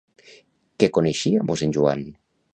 Què coneixia mossèn Joan?